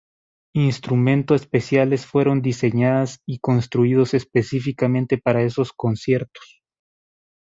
Instrumento especiales fueron diseñadas y construidos específicamente para esos conciertos.